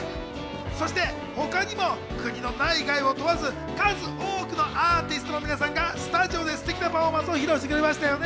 そして他にも国の内外を問わず、数多くのアーティストの皆さんがスタジオでステキなパフォーマンスを披露してくれましたよね。